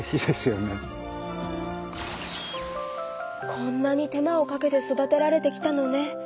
こんなに手間をかけて育てられてきたのね！